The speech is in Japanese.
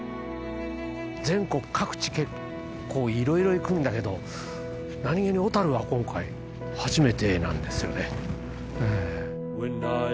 全国各地結構色々行くんだけど何げに小樽は今回初めてなんですよね。